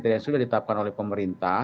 yang sudah ditetapkan oleh pemerintah